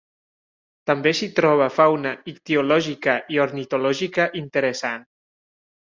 També s’hi troba fauna ictiològica i ornitològica interessant.